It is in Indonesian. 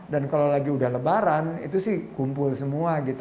dan kalau lagi udah lebaran itu sih kumpul semua gitu